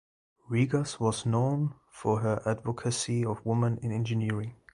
Rigas was known for her advocacy of women in engineering.